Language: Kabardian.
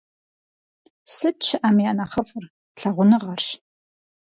Сыт щыӀэм я нэхъыфӀыр? Лъагъуныгъэрщ!